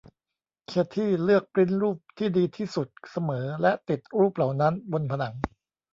เคธี่เลือกปริ้นท์รูปที่ดีที่สุดเสมอและติดรูปเหล่านั้นบนผนัง